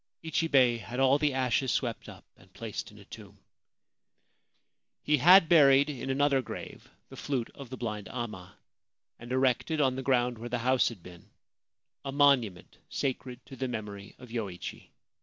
Ichibei had all the ashes swept up and placed in a tomb. He had buried in another grave the flute of the blind amma, and erected on the ground where the house had been a monument sacred to the memory of Yoichi.